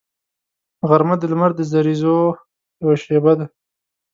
غرمه د لمر د زریزو یوه شیبه ده